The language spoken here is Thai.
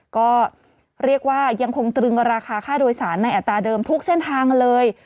ก็เรียกว่ายังคงตรึงราคาค่าโดยสารในอัตราเดิมทุกเส้นทางเลย